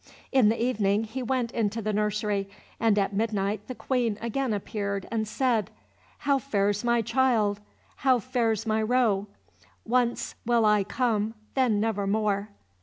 In the evening he went into the nursery, and at midnight the Queen again appeared and said— "How fares my child, how fares my roe? Once will I come, then never more."